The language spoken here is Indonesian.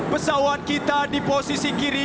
pesawat kita di posisi kiri